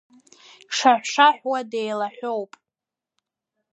Дшаҳәшаҳәуа деилаҳәоуп.